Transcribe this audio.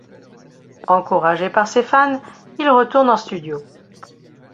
Encouragé par ses fans, il retourne en studio.